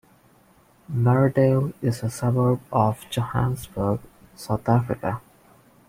Meredale is a suburb of Johannesburg, South Africa.